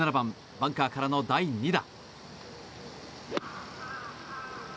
バンカーからの第２打。